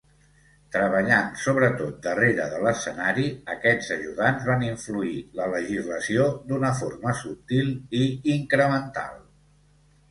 Treballant sobretot darrere del escenari, aquests ajudants van influir la legislació d'una forma subtil i incremental.